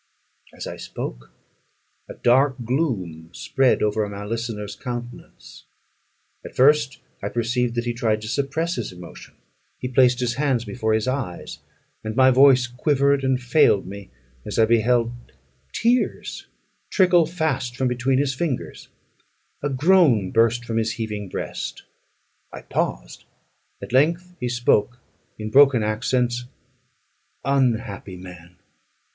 As I spoke, a dark gloom spread over my listener's countenance. At first I perceived that he tried to suppress his emotion; he placed his hands before his eyes; and my voice quivered and failed me, as I beheld tears trickle fast from between his fingers, a groan burst from his heaving breast. I paused; at length he spoke, in broken accents: "Unhappy man!